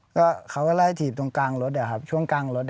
ก็เขาก็ไล่ถีบตรงกลางรถช่วงกลางรถ